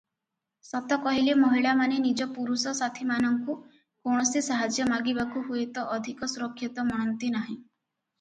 ସତ କହିଲେ ମହିଳାମାନେ ନିଜ ପୁରୁଷ ସାଥୀମାନଙ୍କୁ କୌଣସି ସାହାଯ୍ୟ ମାଗିବାକୁ ହୁଏତ ଅଧିକ ସୁରକ୍ଷିତ ମଣନ୍ତି ନାହିଁ ।